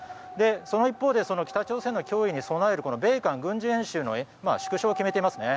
その一方で、北朝鮮の脅威に備える米韓軍事演習の縮小を決めています。